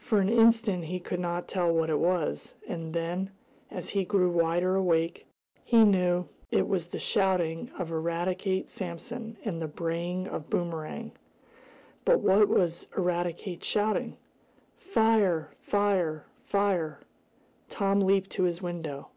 For an instant he could not tell what it was, and then, as he grew wider awake he knew that it was the shouting of Eradicate Sampson, and the braying of Boomerang. But what was Eradicate shouting? "Fire! Fire! Fire!" Tom leaped to his window.